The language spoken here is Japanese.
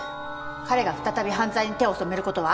彼が再び犯罪に手を染める事はあり得ません！